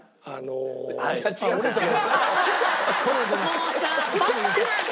もうさバカなの？